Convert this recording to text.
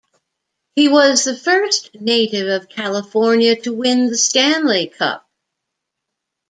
He was the first native of California to win the Stanley Cup.